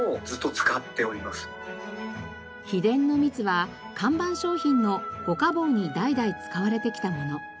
秘伝の蜜は看板商品の五家宝に代々使われてきたもの。